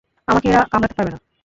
আমাকে এরা কামড়াতে পারবে না।